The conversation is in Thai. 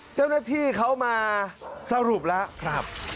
เจ้าหน้าที่เขามาสรุปแล้วครับ